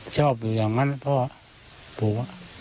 ชอบอยู่อย่างนั้นนะพ่อปู่